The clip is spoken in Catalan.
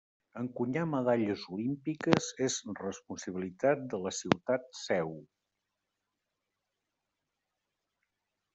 Encunyar medalles olímpiques és responsabilitat de la ciutat Seu.